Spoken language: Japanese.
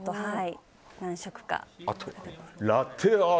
はい。